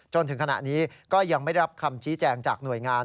จนถึงขณะนี้ก็ยังไม่ได้รับคำชี้แจงจากหน่วยงาน